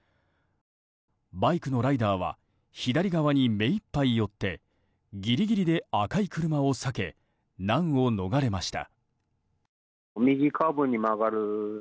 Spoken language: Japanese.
バイクのライダーは左側に目いっぱい寄ってギリギリで赤い車を避け難を逃れました。